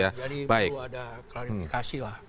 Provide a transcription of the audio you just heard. jadi perlu ada klarifikasi lah